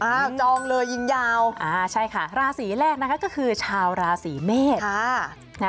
จองเลยยิงยาวอ่าใช่ค่ะราศีแรกนะคะก็คือชาวราศีเมษ